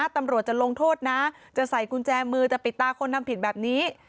ตำรวจจะลงโทษนะจะใส่กุญแจมือจะปิดตาคนทำผิดแบบนี้